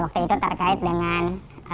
waktu itu terkait dengan